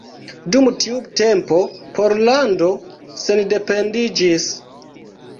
Dum tiu tempo Pollando sendependiĝis.